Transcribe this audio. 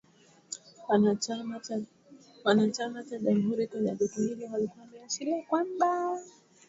Wanachama cha Jamuhuri kwenye jopo hilo walikuwa wameashiria kwamba wangempinga katika masuala mbalimbali